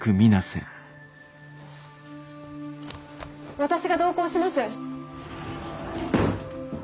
私が同行します。